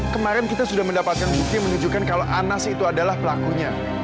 kemarin kita sudah mendapatkan bukti menunjukkan kalau anas itu adalah pelakunya